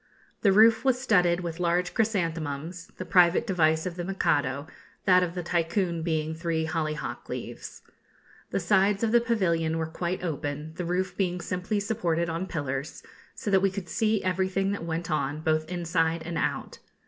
The roof was studded with large chrysanthemums the private device of the Mikado, that of the Tycoon being three hollyhock leaves. The sides of the pavilion were quite open, the roof being simply supported on pillars; so that we could see everything that went on, both inside and out.